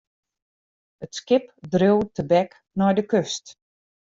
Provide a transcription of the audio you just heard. It skip dreau tebek nei de kust.